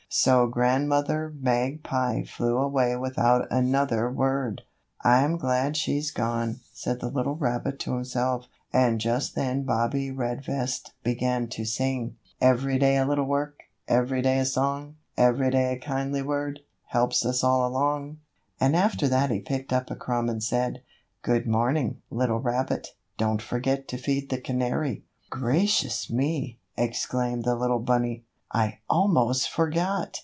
So Grandmother Magpie flew away without another word. "I'm glad she's gone," said the little rabbit to himself, and just then Bobbie Redvest began to sing: "Every day a little work, Every day a song, Every day a kindly word Helps us all along." And after that he picked up a crumb and said: "Good morning, little rabbit. Don't forget to feed the canary." "Gracious me!" exclaimed the little bunny, "I almost forgot!"